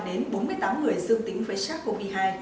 liên quan đến bốn mươi tám người dương tính với sars cov hai